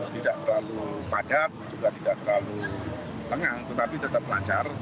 tidak terlalu padat juga tidak terlalu lengang tetapi tetap lancar